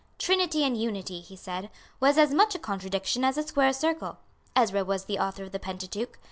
Trinity in unity, he said, was as much a contradiction as a square circle. Ezra was the author of the Pentateuch.